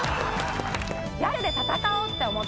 ギャルで闘おうって思って。